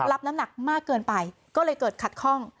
รับน้ำหนักมากเกินไปก็เลยเกิดขัดข้อง